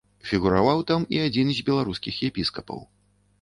Фігураваў там і адзін з беларускіх епіскапаў.